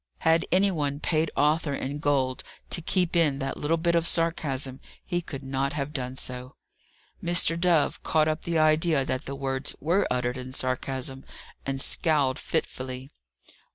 Had any one paid Arthur in gold to keep in that little bit of sarcasm, he could not have done so. Mr. Dove caught up the idea that the words were uttered in sarcasm, and scowled fitfully.